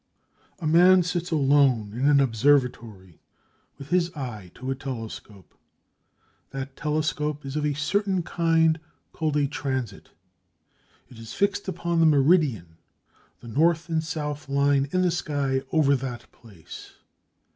A man sits alone in an observatory, with his eye to a telescope. That telescope is of a certain kind, called a "transit." It is fixed upon the meridian, the north and south line in the sky over that place.